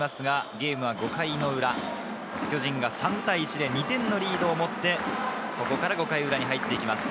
ゲームは５回裏、巨人が３対１で２点のリードを持って、５回裏に入っていきます。